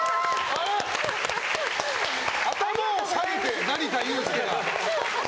頭を下げて成田悠輔が○を。